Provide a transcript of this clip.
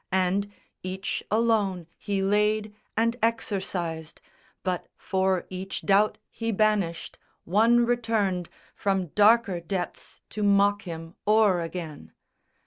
And each alone he laid and exorcised But for each doubt he banished, one returned From darker depths to mock him o'er again.